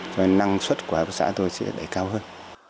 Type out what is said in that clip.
cho nên năng suất của hợp tác xã tôi sẽ đẩy cao hơn